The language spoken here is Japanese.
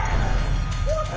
おっと！